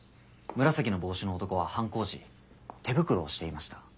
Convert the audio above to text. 紫の帽子の男は犯行時手袋をしていました。